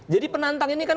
jadi penantang ini kan